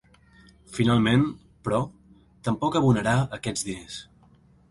Finalment, però, tampoc abonarà aquests diners.